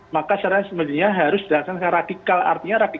maka secara sementara harus radikal artinya rapi